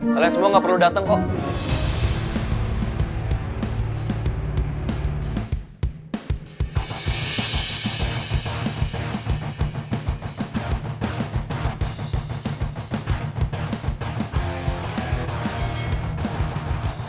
kalian semua gak perlu datang kok